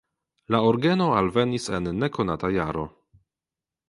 La orgeno alvenis en nekonata jaro.